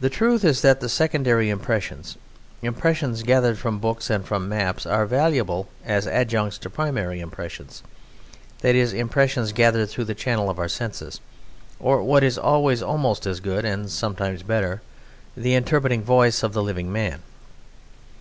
The truth is that secondary impressions, impressions gathered from books and from maps, are valuable as adjuncts to primary impressions (that is, impressions gathered through the channel of our senses), or, what is always almost as good and sometimes better, the interpreting voice of the living man.